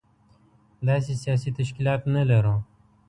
داسې سياسي تشکيلات نه لرو.